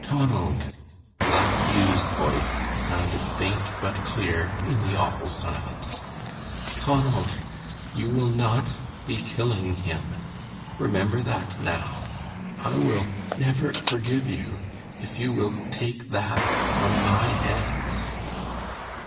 "Tonald," Black Hugh's voice sounded faint but clear in the awful silence "Tonald you will not be killing him. Remember that now. I will never forgive you if you will take that from my hands."